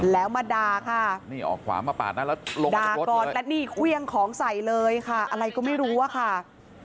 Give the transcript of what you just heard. แล้วมาด่าค่ะนี่ออกขวามาปาดหน้าแล้วลงด่าก่อนแล้วนี่เครื่องของใส่เลยค่ะอะไรก็ไม่รู้อะค่ะ